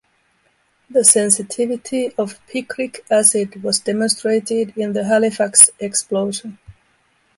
The sensitivity of picric acid was demonstrated in the Halifax Explosion.